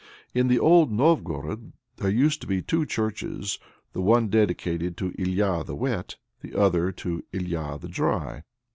In the old Novgorod there used to be two churches, the one dedicated to "Ilya the Wet," the other to "Ilya the Dry."